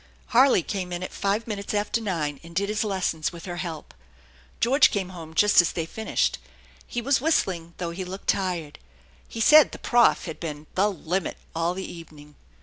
Harley came in at five minutes after nine, and did his lessons with her help. George came home just as they finished* He was whistling, though he looked tired. He said " the prof." had been "the limit" all the evening.